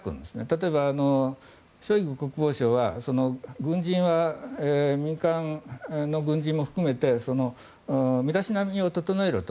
例えば、ショイグ国防相は軍人は民間の軍人も含めて身だしなみを整えろと。